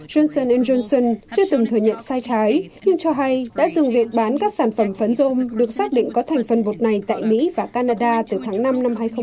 johnson johnson chưa từng thừa nhận sai trái nhưng cho hay đã dừng việc bán các sản phẩm phấn dung được xác định có thành phần bột này tại mỹ và canada từ tháng năm năm hai nghìn một mươi ba